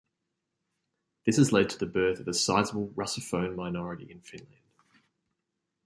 This has led to the birth of a sizable Russophone minority in Finland.